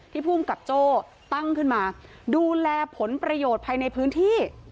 ภูมิกับโจ้ตั้งขึ้นมาดูแลผลประโยชน์ภายในพื้นที่